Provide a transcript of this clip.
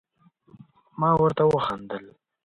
ما ورته وخندل ،